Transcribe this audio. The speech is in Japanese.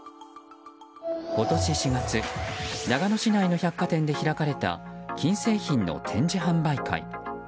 今年４月長野市内の百貨店で開かれた金製品の展示販売会。